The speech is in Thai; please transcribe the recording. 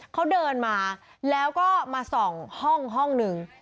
เขาเดินมาแล้วก็มาส่องห้องห้องหนึ่ง